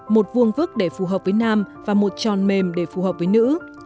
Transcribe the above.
một vuông vức để phù hợp với nam và một tròn mềm để phù hợp với nữ